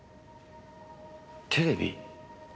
テレビ？